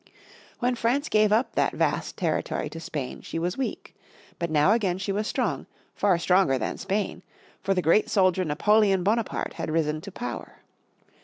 When France gave up that vast territory to Spain she was weak. But now again she was strong far stronger than Spain for the great soldier Napoleon Bonaparte had risen to power.